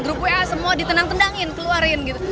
grup wa semua ditenang tendangin keluarin gitu